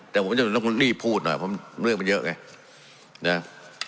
แต่ผมจะต้องรีบพูดหน่อยเพราะเรื่องมันเยอะไงนะ